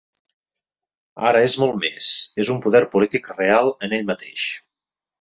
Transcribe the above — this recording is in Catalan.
Ara és molt més: és un poder polític real en ell mateix.